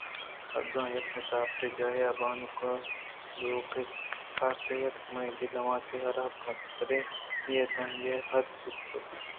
اگاں یک مسافرجاہے ءِ بانک ءَ درٛوگے سازیتگ ءُمنی دل اَچ تو حراب کنگ ءِ بدیں نیت ءَآئی ءَ ہرچیزکُتگ